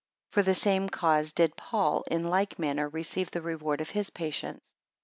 13 For the same cause did Paul in like manner receive the reward of his patience.